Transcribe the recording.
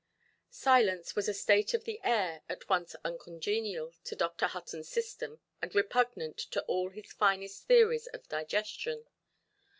Silence was a state of the air at once uncongenial to Dr. Huttonʼs system and repugnant to all his finest theories of digestion.